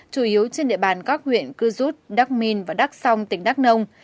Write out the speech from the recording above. chủ yếu trên địa bàn các huyện cư rút đắk minh và đắk sông tỉnh đắk nông